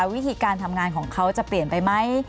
วิธีการทำงานของเขาจะเปลี่ยนไปไหม